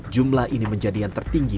jumlah ini menjadi yang tertinggi